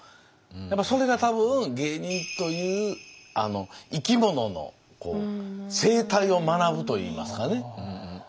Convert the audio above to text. やっぱそれが多分芸人という生き物の生態を学ぶといいますかね。